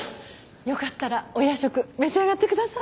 よかったらお夜食召し上がってください。